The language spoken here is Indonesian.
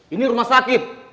ini rumah sakit